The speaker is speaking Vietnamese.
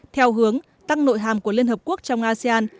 theo hướng tăng nội hàm của liên hợp quốc trong asean